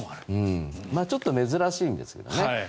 ちょっと珍しいんですね。